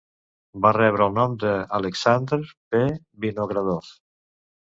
Va rebre el nom d'Aleksandr P. Vinogradov.